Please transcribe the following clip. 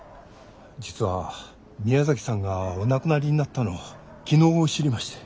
実は宮崎さんがお亡くなりになったのを昨日知りまして。